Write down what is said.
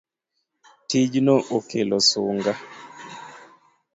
Tijno okelo sunga